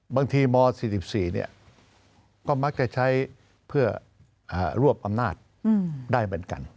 บางทีม๔๔ก็มักจะใช้เพื่อรวบอำนาจได้เหมือนกัน